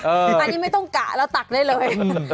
อันนี้ไม่ต้องกะแล้วตักได้เลย